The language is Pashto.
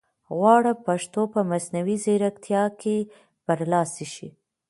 غواړم پښتو په مصنوعي ځیرکتیا کې برلاسې شي